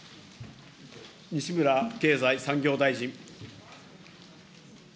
西村経済産業大臣。